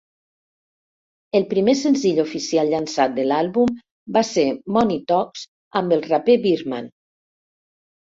El primer senzill oficial llançat de l'àlbum va ser "Money Talks" amb el raper Birdman.